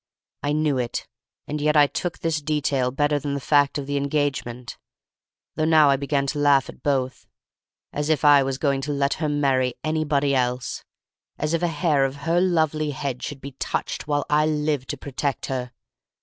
I knew it, and yet I took this detail better than the fact of the engagement, though now I began to laugh at both. As if I was going to let her marry anybody else! As if a hair of her lovely head should be touched while I lived to protect her!